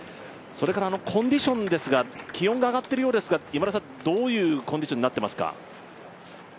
コンディションですが気温が上がっているようですが今田さん、どういうコンディションになっていますか。